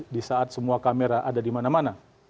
di saat semua kamera ada di mana mana